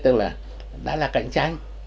tức là đã là cạnh tranh